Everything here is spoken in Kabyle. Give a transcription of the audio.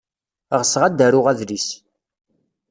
Ɣseɣ ad d-aruɣ adlis.